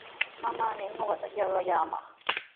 Mamaami ñuqata qayaykaaman.